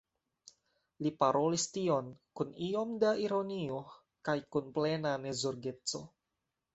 Li parolis tion kun iom da ironio kaj kun plena nezorgeco.